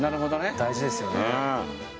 大事ですよね。